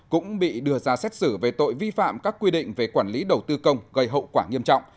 cũng bị đưa ra xét xử về tội vi phạm các quy định về quản lý đầu tư công gây hậu quả nghiêm trọng